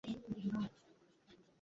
Madam, আমি পানি চাই।